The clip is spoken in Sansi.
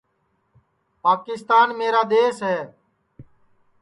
پاکِستان میرا دؔیس ہے